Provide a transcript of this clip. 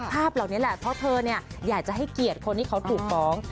ภาพเหล่านี้แหละเพราะเธออยากจะให้เกียรติคนที่เขาถูกฟ้อง